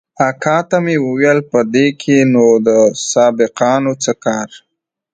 اکا ته مې وويل په دې کښې نو د سبقانو څه کار.